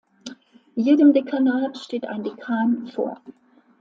Jedem Dekanat steht ein Dekan vor.